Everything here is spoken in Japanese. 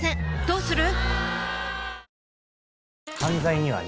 どうする？